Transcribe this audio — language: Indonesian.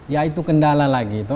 ya itu kendala lagi